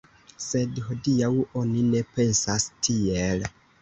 Sed hodiaŭ oni ne pensas tiel.